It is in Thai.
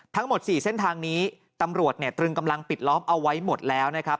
ทั้งหมด๔เส้นทางนี้ตำรวจเนี่ยตรึงกำลังปิดล้อมเอาไว้หมดแล้วนะครับ